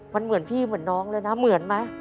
มันเหมือนพี่เหมือนน้องเลยนะเหมือนไหม